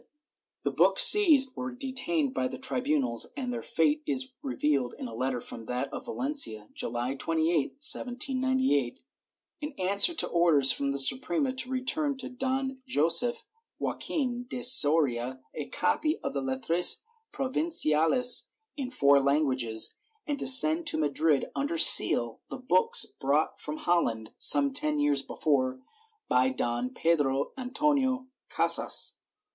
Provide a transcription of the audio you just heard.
IV] SUPERVISION OF IMPORTS 509 The books seized were detained by the tribunals, and their fate is revealed in a letter from that of Valencia, July 28, 1798, in answer to orders from the Suprema to return to Don Josef Joaquin de Soria a copy of the Lettres Provinciales in four languages, and to send to Madrid, under seal, the books brought from Holland (some ten years before) by Don Pedro Antonio Casas.